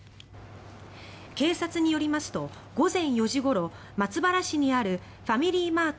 警察によりますと午前４時ごろ松原市にあるファミリーマート